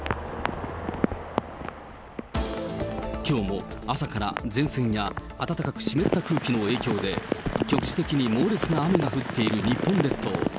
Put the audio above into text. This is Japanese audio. きょうも朝から前線や暖かく湿った空気の影響で、局地的に猛烈な雨が降っている日本列島。